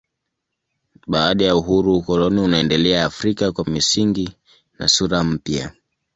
Baada ya uhuru ukoloni unaendelea Afrika kwa misingi na sura mpya.